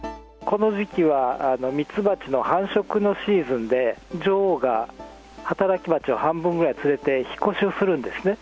この時期はミツバチの繁殖のシーズンで、女王が働きバチを半分ぐらい連れて引っ越しをするんですね。